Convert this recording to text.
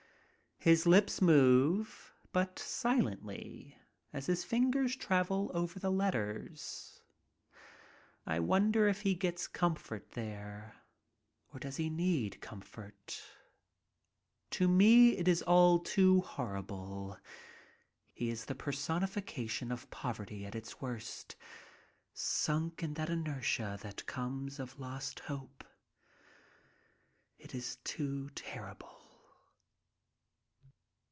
His lips move, but silently, as his fingers travel over the letters. I wonder if he gets comfort there ? Or does he need comfort ? To me it is all too horrible. He is the personification of poverty at its worst, sunk in that inertia that comes of lost hope. It is too terrible.